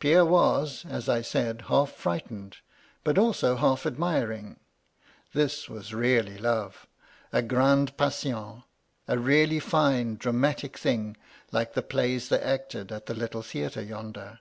"Pierre was, as I said, half frightened; but also half admiring. This was really love — ^a *grande passion,' — ^a really fine, dramatic thing,— like the plays they acted at the little theatre yonder.